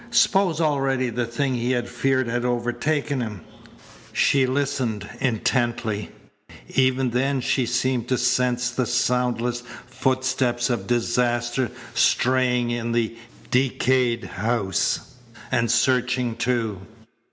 Suppose already the thing he had feared had overtaken him? She listened intently. Even then she seemed to sense the soundless footsteps of disaster straying in the decayed house, and searching, too.